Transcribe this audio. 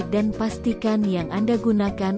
dan pastikan yang anda gunakan